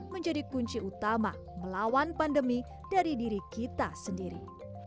menjadi kunci utama melawan pandemi dari diri kita sendiri